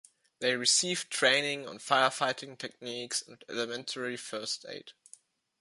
They received training on fire fighting techniques and elementary first aid.